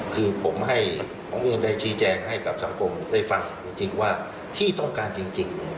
คือผมให้ผมเรียนได้ชี้แจงให้กับสังคมได้ฟังจริงว่าที่ต้องการจริง